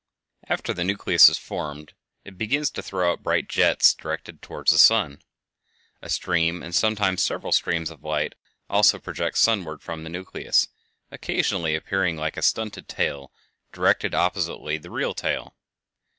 After the nucleus has been formed it begins to throw out bright jets directed toward the sun. A stream, and sometimes several streams, of light also project sunward from the nucleus, occasionally appearing like a stunted tail directed oppositely to the real tail.